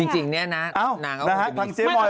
จริงเนี่ยนะ